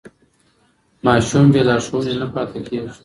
ماشوم بې لارښوونې نه پاته کېږي.